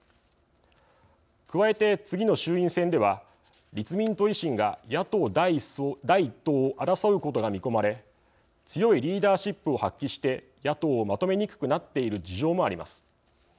加えて、次の衆院選では立民と維新が野党第１党を争うことが見込まれ強いリーダーシップを発揮して野党をまとめにくくなっている事情もあります。